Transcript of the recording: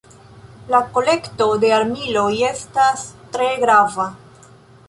La kolekto de armiloj estas tre grava.